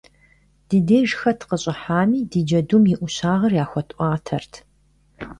Ди деж хэт къыщӏыхьэми, ди джэдум и ӏущагъыр яхуэтӏуатэрт.